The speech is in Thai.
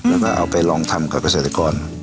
แล้วก็เอาไปลองทำกับเกษตรกร